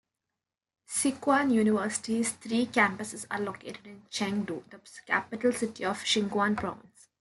Sichuan University's three campuses are located in Chengdu, the capital city of Sichuan Province.